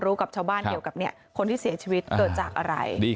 กับชาวบ้านเกี่ยวกับคนที่เสียชีวิตเกิดจากอะไร